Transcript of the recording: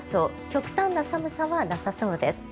極端な寒さはなさそうです。